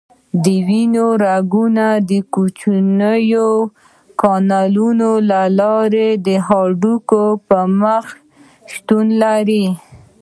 د وینې رګونه د کوچنیو کانالونو له لارې د هډوکو په مخ شتون لري.